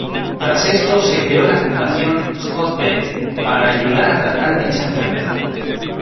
Tras esto se creó la fundación Scott Bell para ayudar a tratar dicha enfermedad.